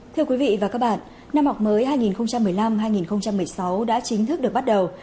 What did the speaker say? thưa quý vị và các bạn năm học mới hai nghìn một mươi năm hai nghìn một mươi sáu đã chính thức được bắt đầu